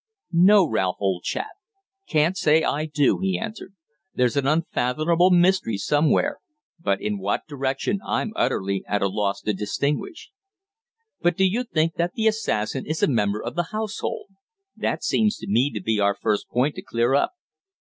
"No, Ralph, old chap; can't say I do," he answered. "There's an unfathomable mystery somewhere, but in what direction I'm utterly at a loss to distinguish." "But do you think that the assassin is a member of the household? That seems to me our first point to clear up."